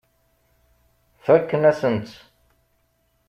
Fakken-asen-tt.